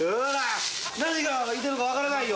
何がいてるか分からないよ。